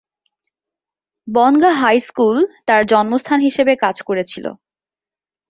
Bongaon high school তার জন্মস্থান হিসেবে কাজ করেছিল।